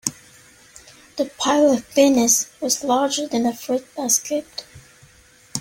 The pile of pennies was larger than the fruit basket.